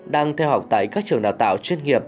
đang theo học tại các trường đào tạo chuyên nghiệp